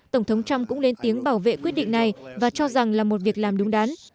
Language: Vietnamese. tổng thống trump cũng lên tiếng bảo vệ quyết định này và cho rằng là một việc làm đúng đắn